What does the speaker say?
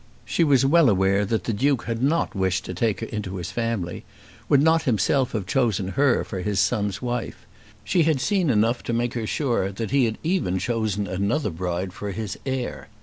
She was well aware that the Duke had not wished to take her into his family, would not himself have chosen her for his son's wife. She had seen enough to make her sure that he had even chosen another bride for his heir.